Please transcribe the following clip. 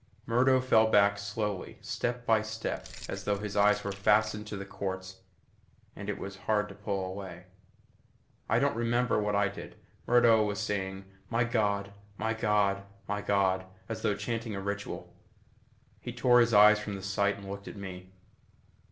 Murdo fell back slowly, step by step as though his eyes were fastened to the quartz and it was hard to pull away. I don't remember what I did. Murdo was saying "My God my God my God," as though chanting a ritual. He tore his eyes from the sight and looked at me.